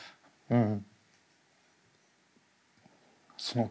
うん。